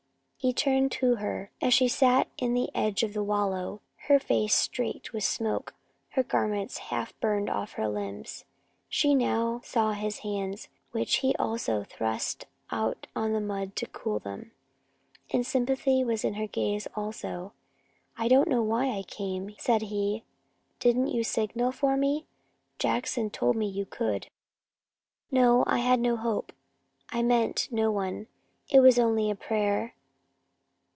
He turned to her as she sat in the edge of the wallow, her face streaked with smoke, her garments half burned off her limbs. She now saw his hands, which he was thrusting out on the mud to cool them, and sympathy was in her gaze also. "I don't know why I came," said he. "Didn't you signal for me? Jackson told me you could." "No, I had no hope. I meant no one. It was only a prayer."